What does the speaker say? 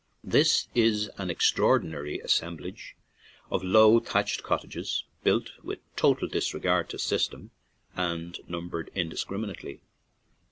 This is an extraordinary assemblage of low, thatched cottages, built with total dis regard to system, and numbered indis criminately.